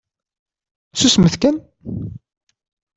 Susmet kan!